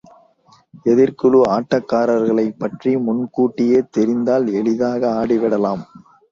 எதிர்க்குழு ஆட்டக்காரர்களைப்பற்றி முன் கூட்டியே தெரிந்தால் எளிதாக ஆடிவிடலாம்.